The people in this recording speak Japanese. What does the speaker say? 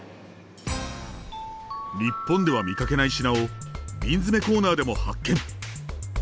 日本では見かけない品を瓶詰コーナーでも発見！